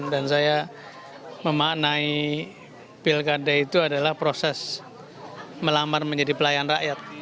dan saya memaknai pilkada itu adalah proses melamar menjadi pelayan rakyat